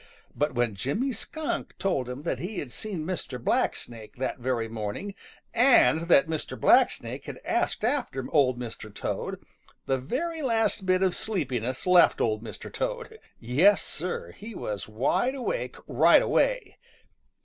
But when Jimmy Skunk told him that he had seen Mr. Blacksnake that very morning, and that Mr. Blacksnake had asked after Old Mr. Toad, the very last bit of sleepiness left Old Mr. Toad. Yes, Sir, he was wide awake right away.